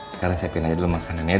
sekarang siapin aja dulu makanannya